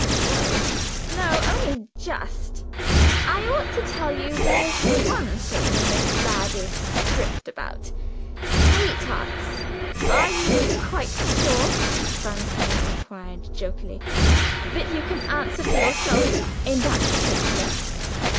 "No, no, only just. I ought to tell you there's one thing Miss Ladd is strict about sweethearts. Are you quite sure," Francine inquired jocosely, "that you can answer for yourself, in that particular?"